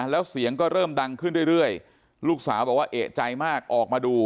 แล้วเสียงก็เริ่มดังขึ้นเรื่อยลูกสาวบอกว่าเอกใจมากออกมาดู